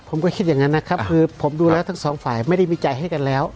ผมก็คิดอย่างนั้นนะครับคือผมดูแล้วทั้งสองฝ่ายไม่ได้มีใจให้กันแล้ว